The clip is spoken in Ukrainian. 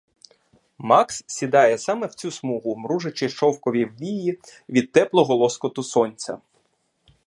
Макс сідає саме в цю смугу, мружачи шовкові вії від теплого лоскоту сонця.